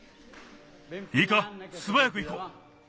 いいかすばやくいこう。